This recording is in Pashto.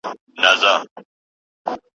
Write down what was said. څه به کوو؟